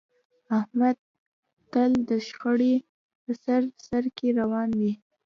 احمد تل د شخړې په سر سرکې روان وي.